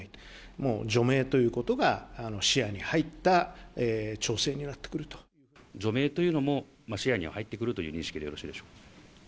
もう除名ということが、視野に入除名というのも視野には入ってくるという認識でよろしいでしょうか。